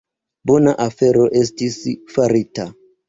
Bona afero estis farita.